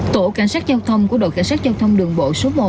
tổ cảnh sát giao thông của đội cảnh sát giao thông đường bộ số một